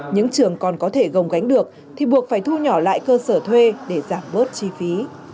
những trường còn có thể gồng gánh được thì buộc phải thu nhỏ lại cơ sở thuê để giảm bớt chi phí